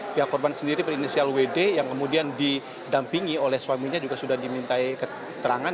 pihak korban sendiri berinisial wd yang kemudian didampingi oleh suaminya juga sudah dimintai keterangan